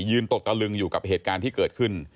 ตกตะลึงอยู่กับเหตุการณ์ที่เกิดขึ้น